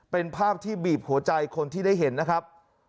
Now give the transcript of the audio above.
เป็นภาพที่บีบหัวใจคนที่ได้เห็นนะครับ